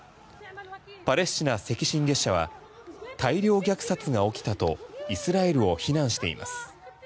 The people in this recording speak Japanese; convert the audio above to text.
パレスチナ赤新月社は大量虐殺が起きたとイスラエルを非難しています。